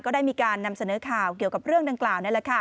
ก็ได้มีการนำเสนอข่าวเกี่ยวกับเรื่องดังกล่าว